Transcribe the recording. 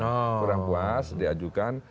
kurang puas diajukan